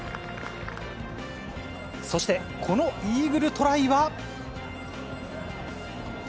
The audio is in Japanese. そして、このイーグルトライは。